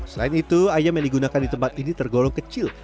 selain itu ayam yang digunakan di tempat ini tergolong kecil